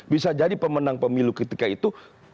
bisa jadi pemenang pemilu ketika itu